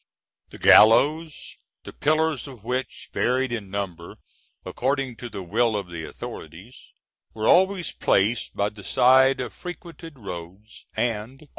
The gallows, the pillars of which varied in number according to the will of the authorities, were always placed by the side of frequented roads, and on an eminence.